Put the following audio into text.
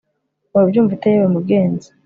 urabyumva ute yewe mugenzi